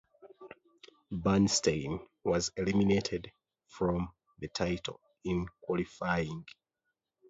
Bernstein was eliminated from the title in qualifying.